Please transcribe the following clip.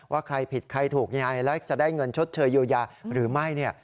ว่าใครผิดใครถูกยังไงแล้วจะได้เงินชดเชยเยียวยาหรือไม่